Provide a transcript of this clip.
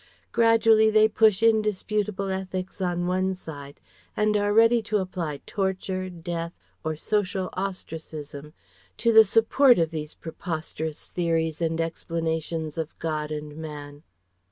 Gradually they push indisputable ethics on one side and are ready to apply torture, death, or social ostracism to the support of these preposterous theories and explanations of God and Man.